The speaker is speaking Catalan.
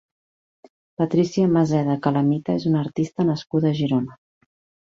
Patricia Maseda Calamita és una artista nascuda a Girona.